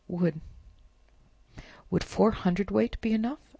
"Would—would four hundredweight be enough?"